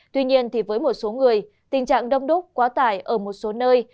tuy nhiên với một số người tình trạng đông đúc quá tải ở một số nơi